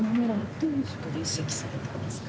どういう経緯で移籍されたのですか？